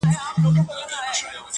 هم یې پښې هم یې لاسونه رېږېدله،